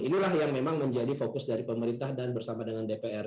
inilah yang memang menjadi fokus dari pemerintah dan bersama dengan dpr